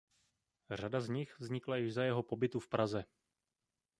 Řada z nich vznikla již za jeho pobytu v Praze.